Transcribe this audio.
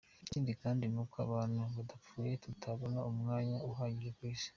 Ikindi kandi ni uko abantu badapfuye tutabona umwanya uhagije ku isi.